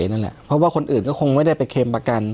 นั่นแหละเพราะว่าคนอื่นก็คงไม่ได้ไปเค็มประกัน